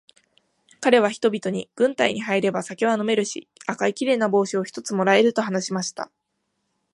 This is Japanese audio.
かれは人々に、軍隊に入れば酒は飲めるし、赤いきれいな帽子を一つ貰える、と話しました。